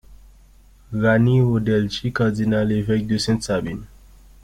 Raniero d'Elci, cardinal-évêque de Sainte-Sabine.